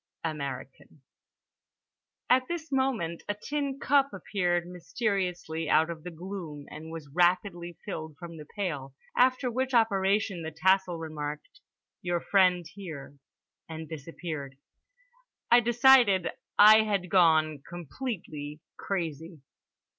"American." At this moment a tin cup appeared mysteriously out of the gloom and was rapidly filled from the pail, after which operation the tassel remarked: "Your friend here" and disappeared. I decided I had gone completely crazy.